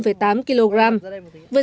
với giá bán